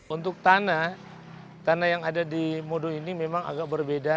untuk tanah tanah yang ada di modo ini memang agak berbeda